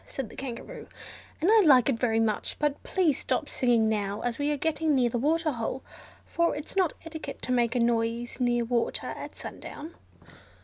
said the Kangaroo, "and I like it very much, but please stop singing now, as we are getting near the waterhole, for it's not etiquette to make a noise near water at sundown."